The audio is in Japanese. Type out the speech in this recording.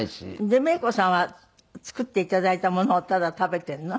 でメイコさんは作って頂いたものをただ食べてるの？